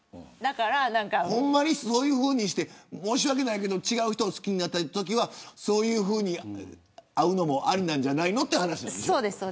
ほんまにそういうふうにして申し訳ないけど違う人を好きになったときはそういうふうに会うのもありなんじゃないのっていう話ですよね。